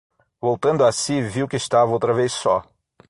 Voltando a si, viu que estava outra vez só.